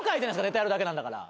ネタやるだけなんだから。